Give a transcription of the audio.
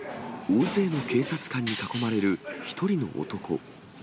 大勢の警察官に囲まれる１人の男。